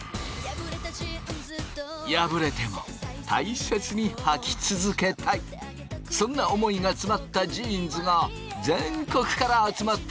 破れても大切にはき続けたいそんな思いが詰まったジーンズが全国から集まってくる。